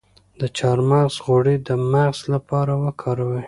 د چارمغز غوړي د مغز لپاره وکاروئ